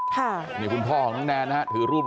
กลับไปลองกลับ